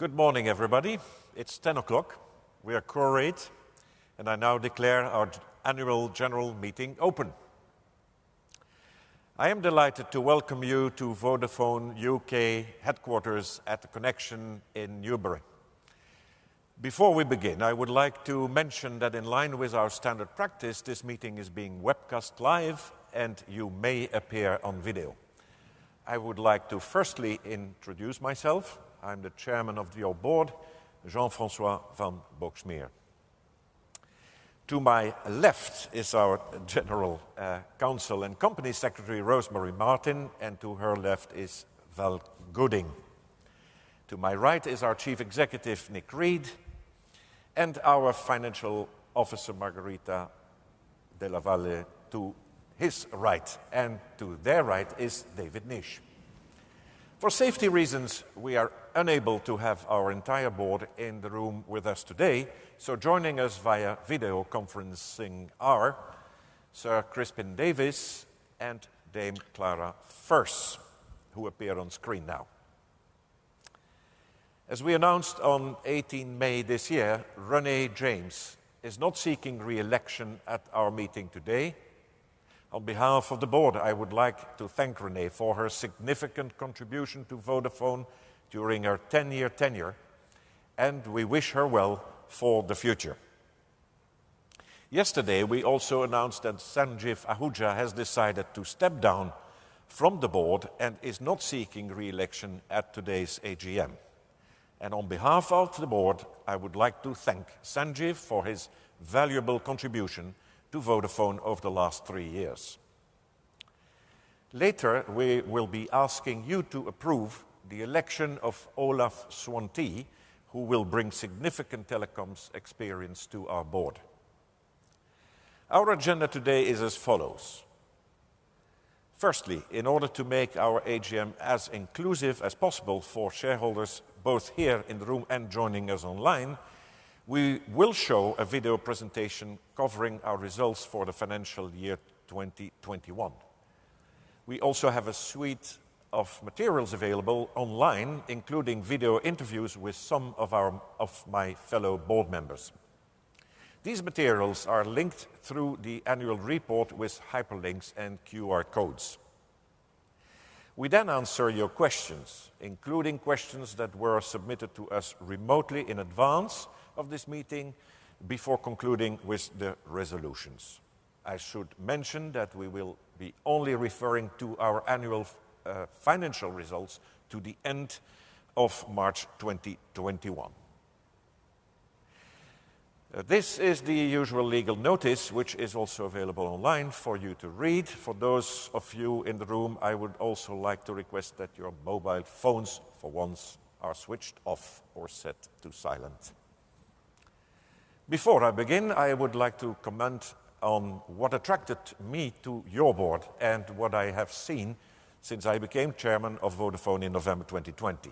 Good morning, everybody. It's 10:00 A.M. We are quorum, and I now declare our Annual General Meeting open. I am delighted to welcome you to Vodafone U.K. Headquarters at The Connection in Newbury. Before we begin, I would like to mention that in line with our standard practice, this meeting is being webcast live, and you may appear on video. I would like to firstly introduce myself. I'm the Chair of your board, Jean-François van Boxmeer. To my left is our General Counsel and Company Secretary, Rosemary Martin, and to her left is Val Gooding. To my right is our Chief Executive, Nick Read, and our Financial Officer, Margherita Della Valle, to his right. To their right is David Nish. For safety reasons, we are unable to have our entire board in the room with us today, joining us via video conferencing are Sir Crispin Davis and Dame Clara Furse, who appear on screen now. As we announced on 18 May this year, Renee James is not seeking re-election at our meeting today. On behalf of the board, I would like to thank Renee for her significant contribution to Vodafone during her 10-year tenure, we wish her well for the future. Yesterday, we also announced that Sanjiv Ahuja has decided to step down from the board and is not seeking re-election at today's AGM. On behalf of the board, I would like to thank Sanjiv for his valuable contribution to Vodafone over the last three years. Later, we will be asking you to approve the election of Olaf Swantee, who will bring significant telecoms experience to our board. Our agenda today is as follows. Firstly, in order to make our AGM as inclusive as possible for shareholders both here in the room and joining us online, we will show a video presentation covering our results for the financial year 2021. We also have a suite of materials available online, including video interviews with some of my fellow board members. These materials are linked through the annual report with hyperlinks and QR codes. We answer your questions, including questions that were submitted to us remotely in advance of this meeting before concluding with the resolutions. I should mention that we will be only referring to our annual financial results to the end of March 2021. This is the usual legal notice, which is also available online for you to read. For those of you in the room, I would also like to request that your mobile phones, for once, are switched off or set to silent. Before I begin, I would like to comment on what attracted me to your board and what I have seen since I became Chairman of Vodafone in November 2020.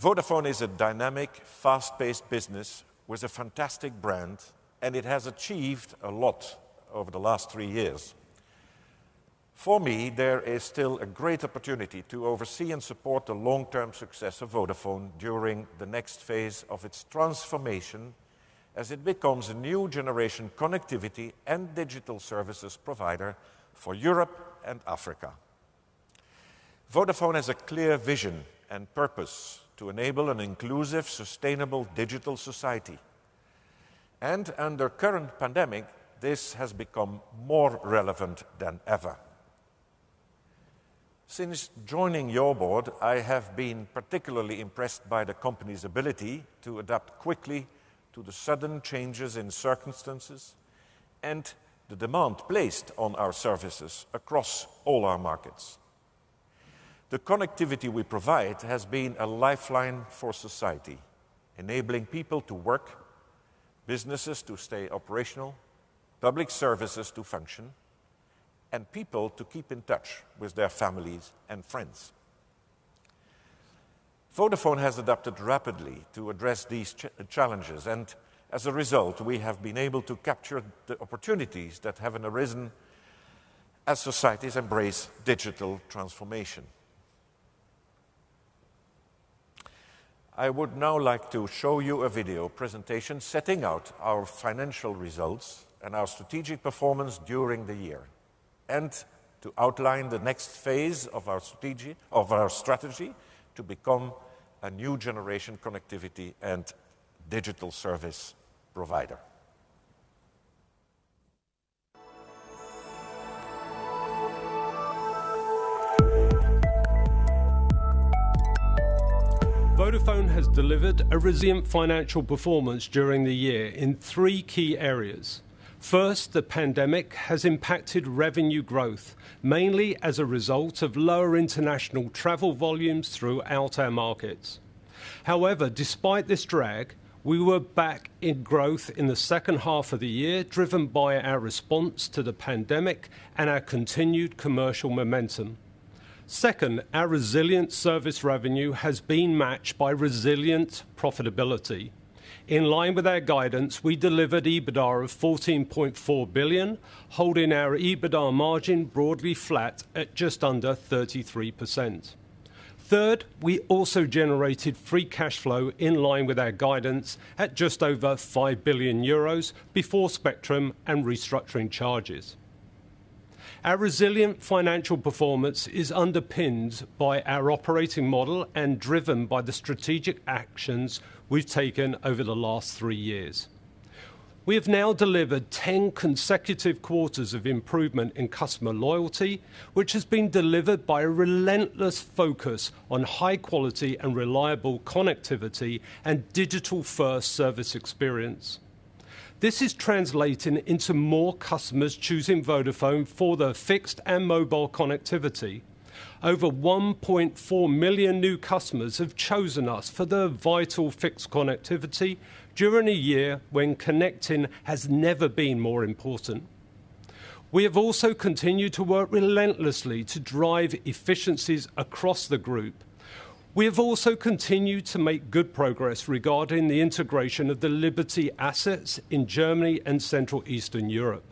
Vodafone is a dynamic, fast-paced business with a fantastic brand, and it has achieved a lot over the last three years. For me, there is still a great opportunity to oversee and support the long-term success of Vodafone during the next phase of its transformation as it becomes a new generation connectivity and digital services provider for Europe and Africa. Vodafone has a clear vision and purpose to enable an inclusive, sustainable digital society. Under current pandemic, this has become more relevant than ever. Since joining your board, I have been particularly impressed by the company's ability to adapt quickly to the sudden changes in circumstances and the demand placed on our services across all our markets. The connectivity we provide has been a lifeline for society, enabling people to work, businesses to stay operational, public services to function, and people to keep in touch with their families and friends. Vodafone has adapted rapidly to address these challenges. As a result, we have been able to capture the opportunities that have arisen as societies embrace digital transformation. I would now like to show you a video presentation setting out our financial results and our strategic performance during the year, to outline the next phase of our strategy to become a new generation connectivity and digital service provider. Vodafone has delivered a resilient financial performance during the year in three key areas. First, the pandemic has impacted revenue growth, mainly as a result of lower international travel volumes throughout our markets. Despite this drag, we were back in growth in the H2 of the year, driven by our response to the pandemic and our continued commercial momentum. Second, our resilient service revenue has been matched by resilient profitability. In line with our guidance, we delivered EBITDA of 14.4 billion, holding our EBITDA margin broadly flat at just under 33%. Third, we also generated free cash flow in line with our guidance at just over 5 billion euros before spectrum and restructuring charges. Our resilient financial performance is underpinned by our operating model and driven by the strategic actions we've taken over the last three years. We have now delivered 10 consecutive quarters of improvement in customer loyalty, which has been delivered by a relentless focus on high quality and reliable connectivity and digital-first service experience. This is translating into more customers choosing Vodafone for their fixed and mobile connectivity. Over 1.4 million new customers have chosen us for their vital fixed connectivity during a year when connecting has never been more important. We have also continued to work relentlessly to drive efficiencies across the group. We have also continued to make good progress regarding the integration of the Liberty assets in Germany and Central and Eastern Europe.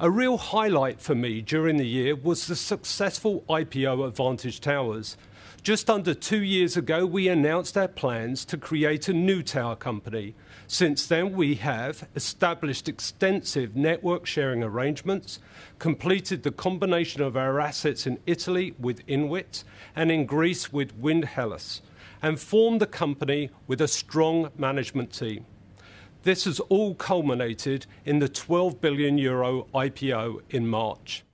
A real highlight for me during the year was the successful IPO of Vantage Towers. Just under two years ago, we announced our plans to create a new tower company. Since then, we have established extensive network sharing arrangements, completed the combination of our assets in Italy with INWIT and in Greece with Wind Hellas, and formed the company with a strong management team. This has all culminated in the EUR 12 billion IPO in March.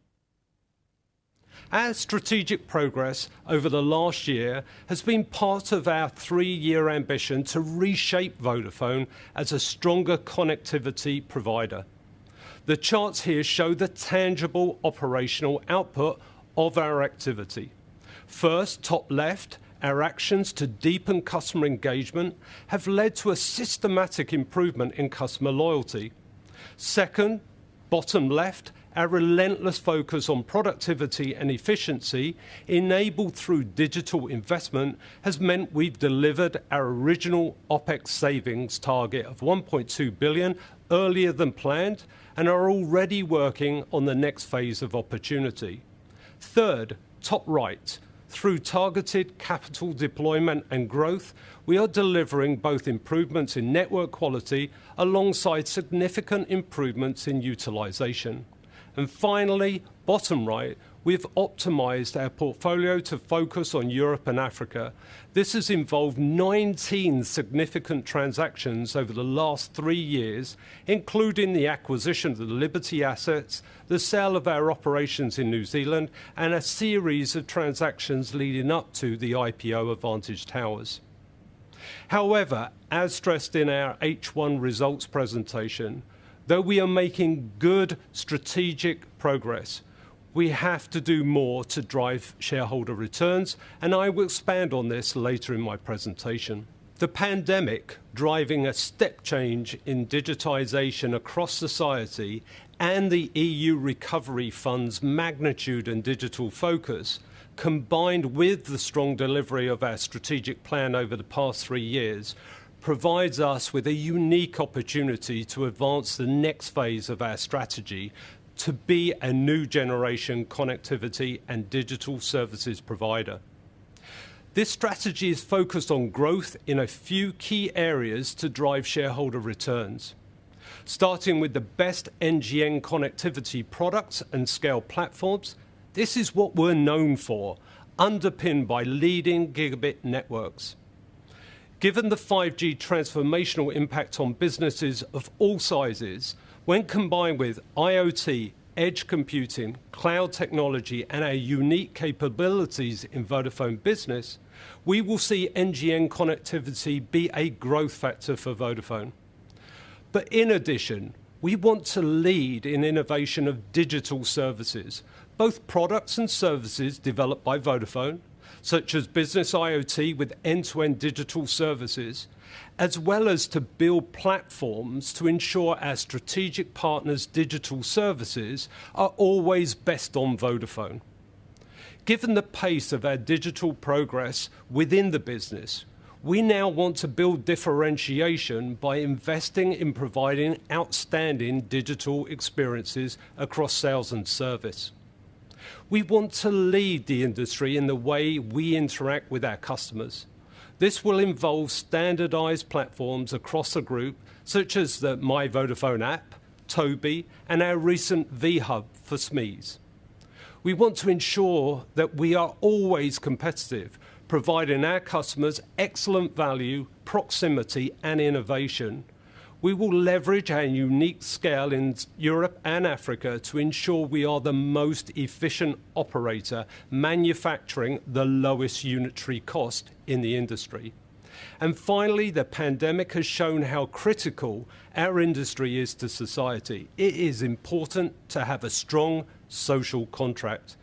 Our strategic progress over the last year has been part of our three-year ambition to reshape Vodafone as a stronger connectivity provider. The charts here show the tangible operational output of our activity. First, top left, our actions to deepen customer engagement have led to a systematic improvement in customer loyalty. Second, bottom left, our relentless focus on productivity and efficiency enabled through digital investment, has meant we've delivered our original Opex savings target of 1.2 billion earlier than planned and are already working on the next phase of opportunity. Third, top right, through targeted capital deployment and growth, we are delivering both improvements in network quality alongside significant improvements in utilization. Finally, bottom right, we've optimized our portfolio to focus on Europe and Africa. This has involved 19 significant transactions over the last three years, including the acquisition of the Liberty assets, the sale of our operations in New Zealand, and a series of transactions leading up to the IPO of Vantage Towers. However, as stressed in our H1 results presentation, though we are making good strategic progress, we have to do more to drive shareholder returns, and I will expand on this later in my presentation. The pandemic, driving a step change in digitization across society and the EU Recovery fund's magnitude and digital focus, combined with the strong delivery of our strategic plan over the past three years, provides us with a unique opportunity to advance the next phase of our strategy to be a new generation connectivity and digital services provider. This strategy is focused on growth in a few key areas to drive shareholder returns. Starting with the best NGN connectivity products and scale platforms, this is what we're known for, underpinned by leading gigabit networks. Given the 5G transformational impact on businesses of all sizes, when combined with IoT, edge computing, cloud technology, and our unique capabilities in Vodafone Business, we will see NGN connectivity be a growth factor for Vodafone. In addition, we want to lead in innovation of digital services, both products and services developed by Vodafone, such as business IoT with end-to-end digital services, as well as to build platforms to ensure our strategic partners' digital services are always best on Vodafone. Given the pace of our digital progress within the business, we now want to build differentiation by investing in providing outstanding digital experiences across sales and service. We want to lead the industry in the way we interact with our customers. This will involve standardized platforms across the group such as the My Vodafone app, TOBi, and our recent V-Hub for SMEs. We want to ensure that we are always competitive, providing our customers excellent value, proximity, and innovation. We will leverage our unique scale in Europe and Africa to ensure we are the most efficient operator, manufacturing the lowest unitary cost in the industry. Finally, the pandemic has shown how critical our industry is to society. It is important to have a strong social contract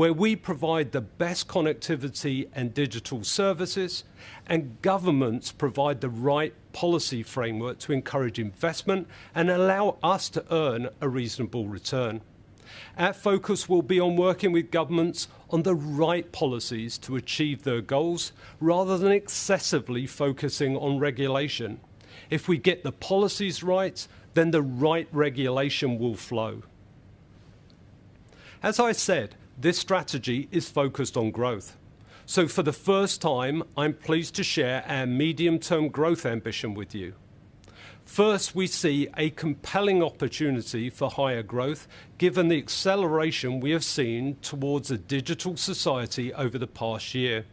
where we provide the best connectivity and digital services, and governments provide the right policy framework to encourage investment and allow us to earn a reasonable return. Our focus will be on working with governments on the right policies to achieve their goals rather than excessively focusing on regulation. If we get the policies right, the right regulation will flow. As I said, this strategy is focused on growth. For the first time, I'm pleased to share our medium-term growth ambition with you. First, we see a compelling opportunity for higher growth given the acceleration we have seen towards a digital society over the past year.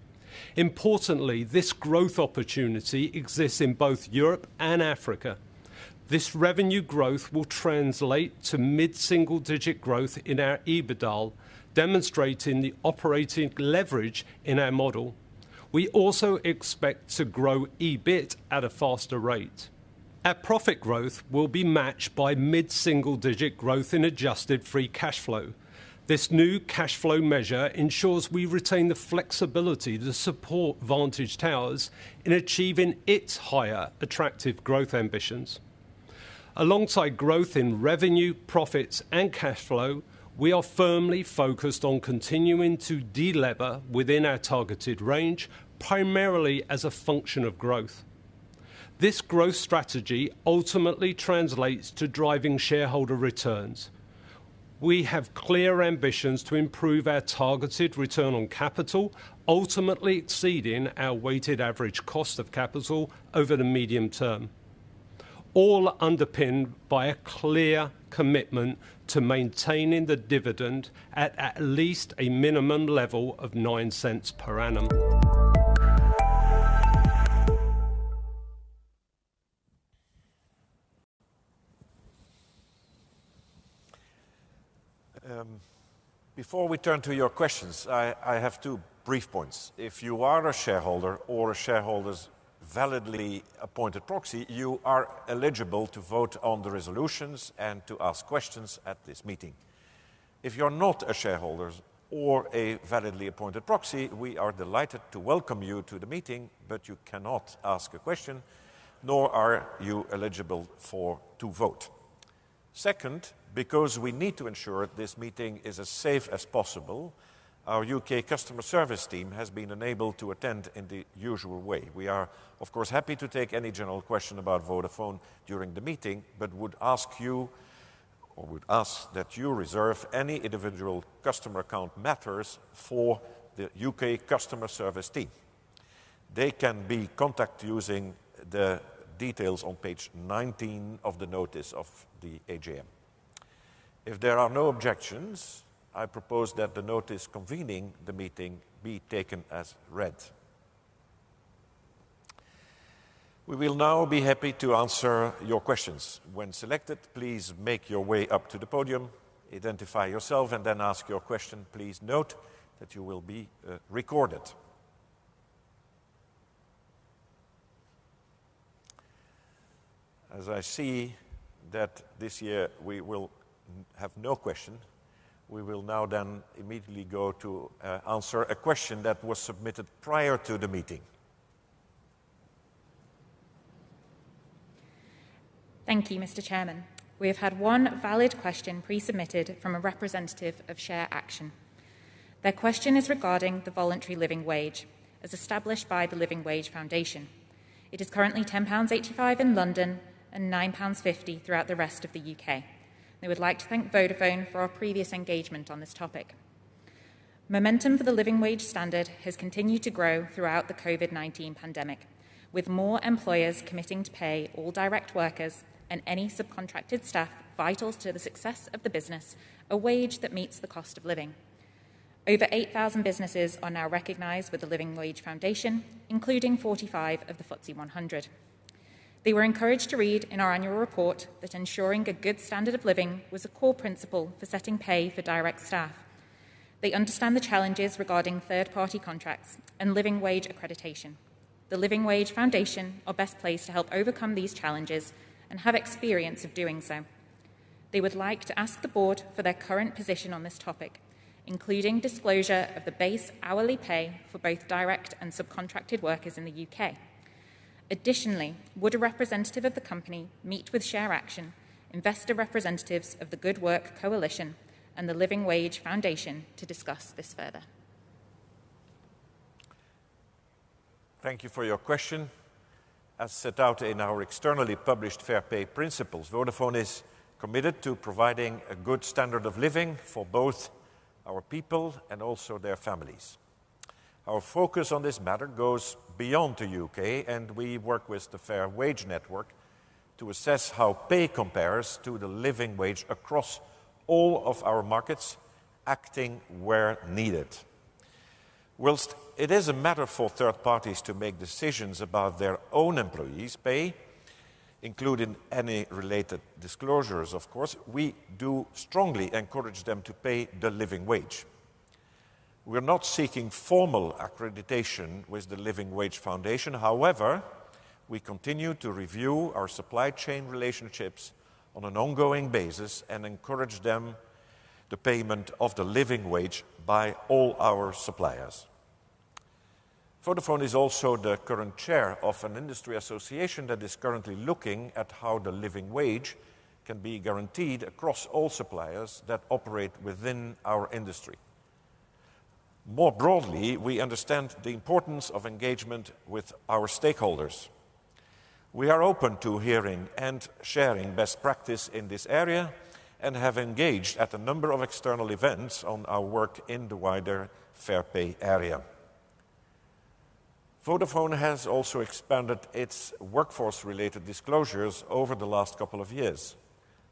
Importantly, this growth opportunity exists in both Europe and Africa. This revenue growth will translate to mid-single digit growth in our EBITDA, demonstrating the operating leverage in our model. We also expect to grow EBIT at a faster rate. Our profit growth will be matched by mid-single digit growth in adjusted free cash flow. This new cash flow measure ensures we retain the flexibility to support Vantage Towers in achieving its higher attractive growth ambitions. Alongside growth in revenue, profits, and cash flow, we are firmly focused on continuing to delever within our targeted range, primarily as a function of growth. This growth strategy ultimately translates to driving shareholder returns. We have clear ambitions to improve our targeted return on capital, ultimately exceeding our weighted average cost of capital over the medium term, all underpinned by a clear commitment to maintaining the dividend at least a minimum level of 0.09 per annum. Before we turn to your questions, I have two brief points. If you are a shareholder or a shareholder's validly appointed proxy, you are eligible to vote on the resolutions and to ask questions at this meeting. If you're not a shareholder or a validly appointed proxy, we are delighted to welcome you to the meeting, but you cannot ask a question, nor are you eligible to vote. Second, because we need to ensure this meeting is as safe as possible, our U.K. customer service team has been unable to attend in the usual way. We are, of course, happy to take any general question about Vodafone during the meeting, but would ask that you reserve any individual customer account matters for the U.K. customer service team. They can be contacted using the details on page 19 of the notice of the AGM. If there are no objections, I propose that the notice convening the meeting be taken as read. We will now be happy to answer your questions. When selected, please make your way up to the podium, identify yourself, and then ask your question. Please note that you will be recorded. As I see that this year we will have no question, we will now then immediately go to answer a question that was submitted prior to the meeting. Thank you, Mr. Chairman. We have had one valid question pre-submitted from a representative of ShareAction. Their question is regarding the voluntary living wage, as established by the Living Wage Foundation. It is currently 10.85 pounds in London and 9.50 pounds throughout the rest of the U.K. They would like to thank Vodafone for our previous engagement on this topic. Momentum for the living wage standard has continued to grow throughout the COVID-19 pandemic, with more employers committing to pay all direct workers and any subcontracted staff vital to the success of the business, a wage that meets the cost of living. Over 8,000 businesses are now recognized with the Living Wage Foundation, including 45 of the FTSE 100. They were encouraged to read in our annual report that ensuring a good standard of living was a core principle for setting pay for direct staff. They understand the challenges regarding third-party contracts and living wage accreditation. The Living Wage Foundation are best placed to help overcome these challenges and have experience of doing so. They would like to ask the board for their current position on this topic, including disclosure of the base hourly pay for both direct and subcontracted workers in the U.K. Additionally, would a representative of the company meet with ShareAction, investor representatives of the Good Work Coalition, and the Living Wage Foundation to discuss this further? Thank you for your question. As set out in our externally published Fair Pay principles, Vodafone is committed to providing a good standard of living for both our people and also their families. Our focus on this matter goes beyond the U.K., and we work with the Fair Wage Network to assess how pay compares to the living wage across all of our markets, acting where needed. Whilst it is a matter for third parties to make decisions about their own employees' pay, including any related disclosures, of course, we do strongly encourage them to pay the living wage. We're not seeking formal accreditation with the Living Wage Foundation. However, we continue to review our supply chain relationships on an ongoing basis and encourage them the payment of the living wage by all our suppliers. Vodafone is also the current chair of an industry association that is currently looking at how the living wage can be guaranteed across all suppliers that operate within our industry. More broadly, we understand the importance of engagement with our stakeholders. We are open to hearing and sharing best practice in this area and have engaged at a number of external events on our work in the wider fair pay area. Vodafone has also expanded its workforce-related disclosures over the last couple of years.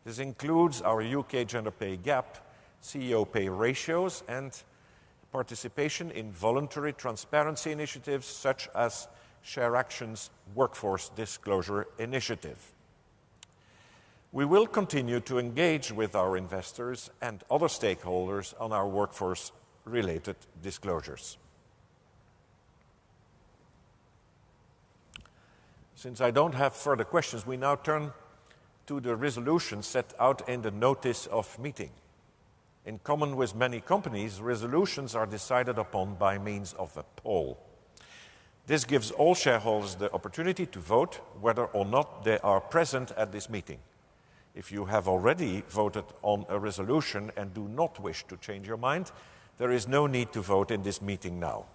This includes our U.K. gender pay gap, CEO pay ratios, and participation in voluntary transparency initiatives such as ShareAction's Workforce Disclosure Initiative. We will continue to engage with our investors and other stakeholders on our workforce-related disclosures. Since I don't have further questions, we now turn to the resolution set out in the notice of meeting. In common with many companies, resolutions are decided upon by means of a poll. This gives all shareholders the opportunity to vote whether or not they are present at this meeting. If you have already voted on a resolution and do not wish to change your mind, there is no need to vote in this meeting now.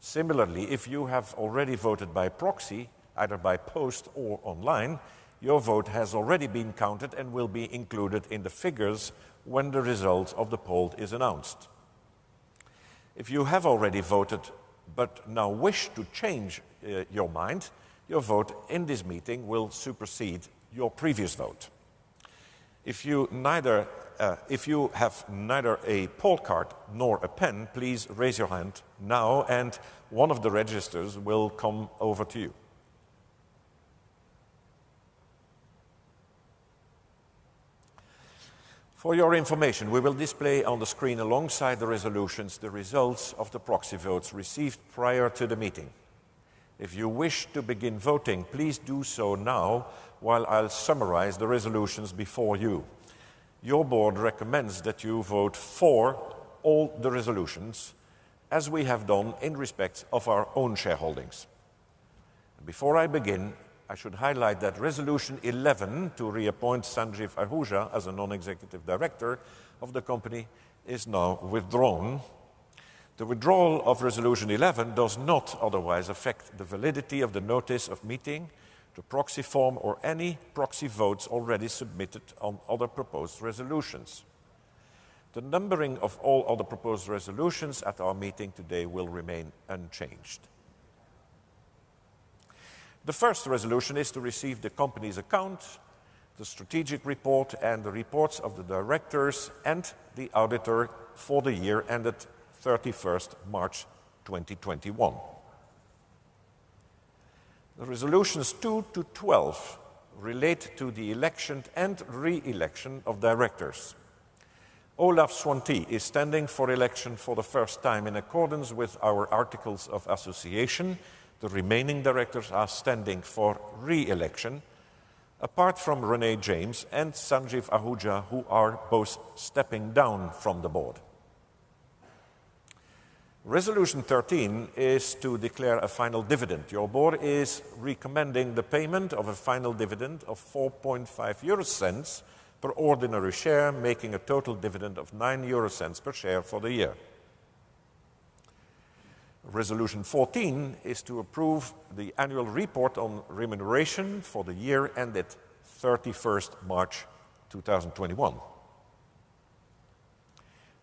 Similarly, if you have already voted by proxy, either by post or online, your vote has already been counted and will be included in the figures when the result of the poll is announced. If you have already voted but now wish to change your mind, your vote in this meeting will supersede your previous vote. If you have neither a poll card nor a pen, please raise your hand now and one of the registrars will come over to you. For your information, we will display on the screen alongside the resolutions the results of the proxy votes received prior to the meeting. If you wish to begin voting, please do so now while I'll summarize the resolutions before you. Your board recommends that you vote for all the resolutions as we have done in respect of our own shareholdings. Before I begin, I should highlight that resolution 11 to reappoint Sanjiv Ahuja as a non-executive director of the company is now withdrawn. The withdrawal of resolution 11 does not otherwise affect the validity of the notice of meeting, the proxy form, or any proxy votes already submitted on other proposed resolutions. The numbering of all other proposed resolutions at our meeting today will remain unchanged. The 1st resolution is to receive the company's account, the strategic report, and the reports of the directors and the auditor for the year ended 31st March, 2021. Resolutions 2-12 relate to the election and re-election of directors. Olaf Swantee is standing for election for the 1st time in accordance with our articles of association. The remaining directors are standing for re-election. Apart from Renee James and Sanjiv Ahuja, who are both stepping down from the board. Resolution 13 is to declare a final dividend. Your board is recommending the payment of a final dividend of 0.045 per ordinary share, making a total dividend of 0.09 per share for the year. Resolution 14 is to approve the annual report on remuneration for the year ended 31st March, 2021.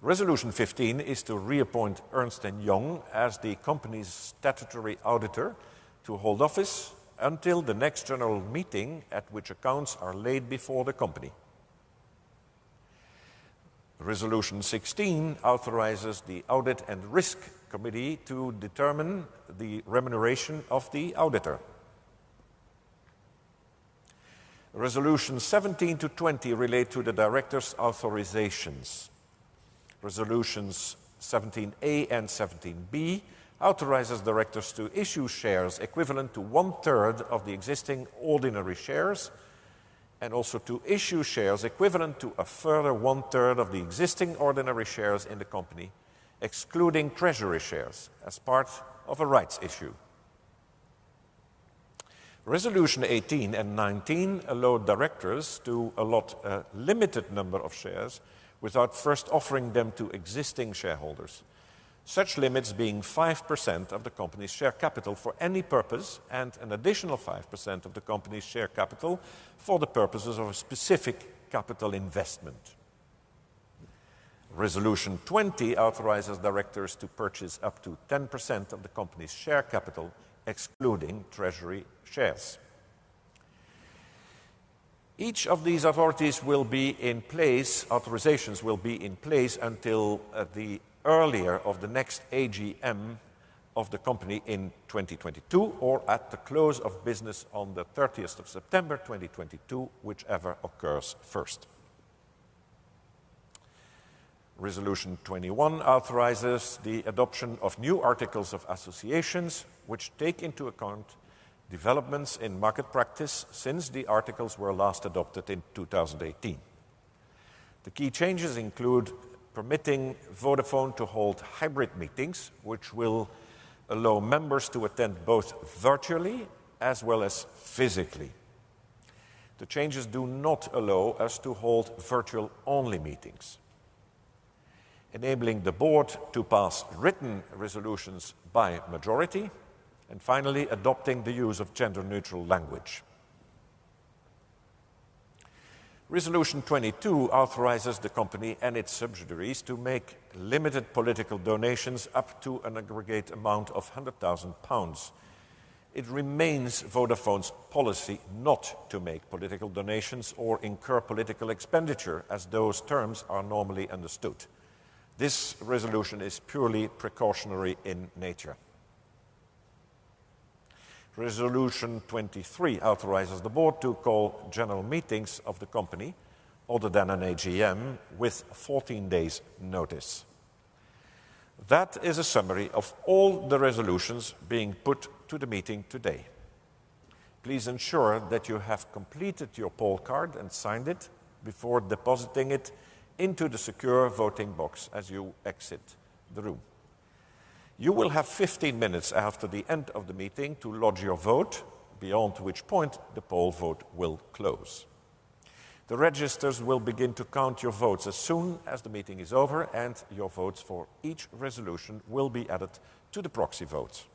Resolution 15 is to reappoint Ernst & Young as the company's statutory auditor to hold office until the next general meeting at which accounts are laid before the company. Resolution 16 authorizes the audit and risk committee to determine the remuneration of the auditor. Resolutions 17 to 20 relate to the directors' authorizations. Resolutions 17A and 17B authorizes directors to issue shares equivalent to one-third of the existing ordinary shares, and also to issue shares equivalent to a further one-third of the existing ordinary shares in the company, excluding treasury shares as part of a rights issue. Resolution 18 and 19 allow directors to allot a limited number of shares without first offering them to existing shareholders. Such limits being 5% of the company's share capital for any purpose and an additional 5% of the company's share capital for the purposes of a specific capital investment. Resolution 20 authorizes directors to purchase up to 10% of the company's share capital, excluding treasury shares. Each of these authorizations will be in place until the earlier of the next AGM of the company in 2022 or at the close of business on the 30th of September 2022, whichever occurs first. Resolution 21 authorizes the adoption of new articles of association, which take into account developments in market practice since the articles were last adopted in 2018. The key changes include permitting Vodafone to hold hybrid meetings, which will allow members to attend both virtually as well as physically. The changes do not allow us to hold virtual-only meetings. Enabling the board to pass written resolutions by majority, and finally, adopting the use of gender-neutral language. Resolution 22 authorizes the company and its subsidiaries to make limited political donations up to an aggregate amount of 100,000 pounds. It remains Vodafone's policy not to make political donations or incur political expenditure as those terms are normally understood. This resolution is purely precautionary in nature. Resolution 23 authorizes the board to call general meetings of the company other than an AGM with 14 days' notice. That is a summary of all the resolutions being put to the meeting today. Please ensure that you have completed your poll card and signed it before depositing it into the secure voting box as you exit the room. You will have 15 minutes after the end of the meeting to lodge your vote, beyond which point the poll vote will close. The registers will begin to count your votes as soon as the meeting is over, and your votes for each resolution will be added to the proxy votes.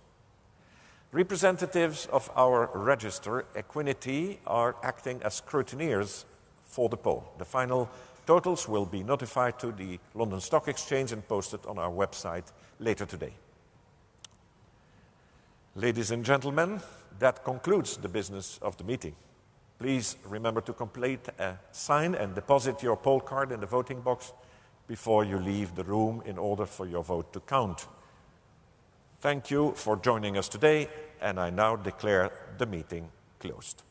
Representatives of our register, Equiniti, are acting as scrutineers for the poll. The final totals will be notified to the London Stock Exchange and posted on our website later today. Ladies and gentlemen, that concludes the business of the meeting. Please remember to complete, sign, and deposit your poll card in the voting box before you leave the room in order for your vote to count. Thank you for joining us today, and I now declare the meeting closed.